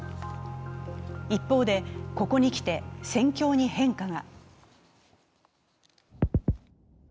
一方で、ここに来て戦況に変化が。